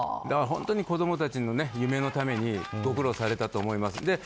本当に子供たちの夢のためにご苦労されたと思います。